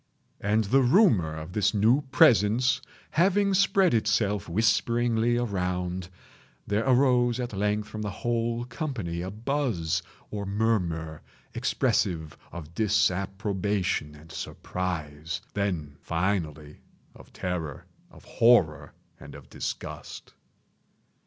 And the rumor of this new presence having spread itself whisperingly around, there arose at length from the whole company a buzz, or murmur, expressive of disapprobation and surprise—then, finally, of terror, of horror, and of disgust.